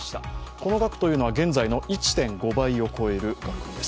この額は現在の１．５倍のを超える額です。